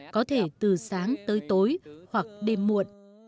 có thể từ sáng tới tối hoặc đêm muộn